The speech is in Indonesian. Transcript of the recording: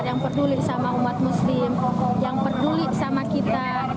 yang peduli sama umat muslim yang peduli sama kita